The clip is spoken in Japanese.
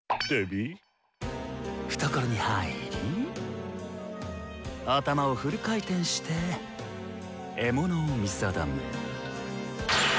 懐に入り頭をフル回転して獲物を見定め。